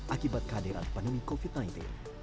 akibat kehadiran pandemi covid sembilan belas